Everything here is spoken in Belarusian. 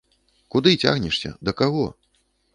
Куды цягнешся, да каго?